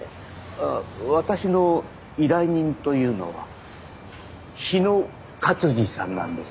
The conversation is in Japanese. あ私の依頼人というのは日野勝次さんなんです。